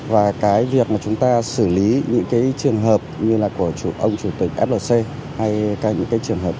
và cái việc mà chúng ta xử lý những cái trường hợp như là của ông chủ tịch flc hay những cái trường hợp